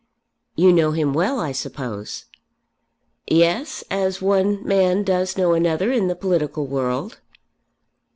"You know him well, I suppose." "Yes; as one man does know another in the political world."